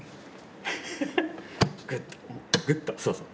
ぐっとそうそう。